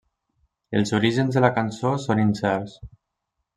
Els orígens de la cançó són incerts.